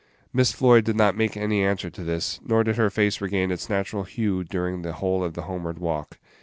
Miss Floyd did not make any answer to this, nor did her face regain its natural hue during the whole of the homeward walk.